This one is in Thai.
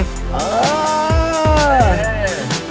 เออ